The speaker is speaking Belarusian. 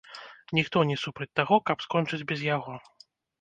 Ніхто не супраць таго, каб скончыць без яго.